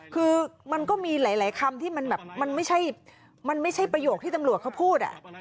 คือมันก็มีหลายคำที่มันแบบมันไม่ใช่ประโยคที่ตำรวจเขาพูด